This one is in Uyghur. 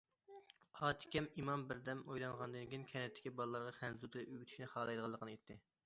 ئاتىكەم ئىمام بىردەم ئويلانغاندىن كېيىن، كەنتتىكى بالىلارغا خەنزۇ تىلى ئۆگىتىشنى خالايدىغانلىقىنى ئېيتتى.